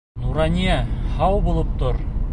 Нурания, һау булып тор!